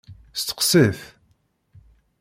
Steqsi-t.